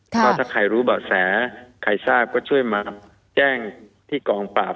ก็ถ้าใครรู้เบาะแสใครทราบก็ช่วยมาแจ้งที่กองปราบ